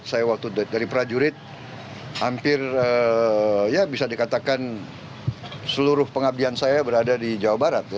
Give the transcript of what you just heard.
saya waktu dari prajurit hampir ya bisa dikatakan seluruh pengabdian saya berada di jawa barat